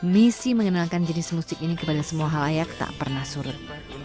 misi mengenalkan jenis musik ini kepada semua halayak tak pernah surut